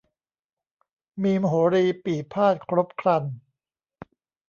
มีมโหรีปี่พาทย์ครบครัน